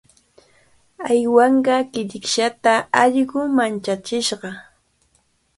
Uywanqaa killikshata allqu manchachishqa.